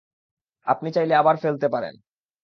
আপনি চাইলে আবার ফেলতে পারেন।